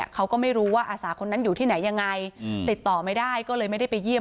เขาก็ไม่รู้ว่าอาสาคนนั้นอยู่ที่ไหนยังไงติดต่อไม่ได้ก็เลยไม่ได้ไปเยี่ยม